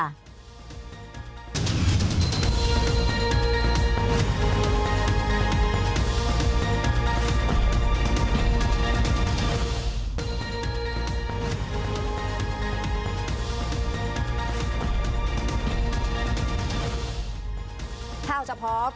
ถ้าเอาเฉพาะ